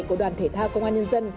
của đoàn thế thao công an nhân dân